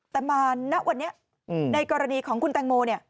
แต่มาณวันนี้ในกรณีของคุณแตงโม